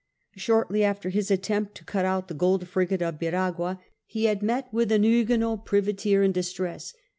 Shortly after his attempt to cut out the gold frigate of Veragua he had met with a Huguenot privateer in distress.